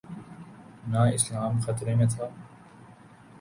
نہ اسلام خطرے میں تھا۔